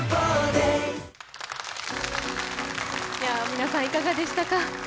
皆さんいかがでしたか？